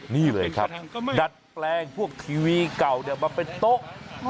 นี่เลยครับดัดแปลงพวกทีวีเก่ามาเป็นโต๊ะ